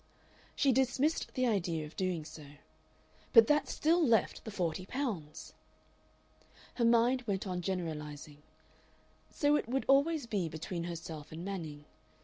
She dismissed the idea of doing so. But that still left the forty pounds!... Her mind went on generalizing. So it would always be between herself and Manning.